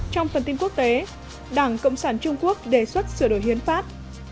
trong phần tin quốc tế đảng cộng sản trung quốc đề xuất sửa đổi hiến pháp